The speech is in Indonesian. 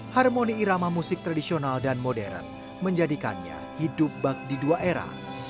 harmoni irama musik tradisional dan modern menjadikannya hidup bak di dua era